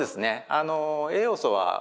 あの栄養素は。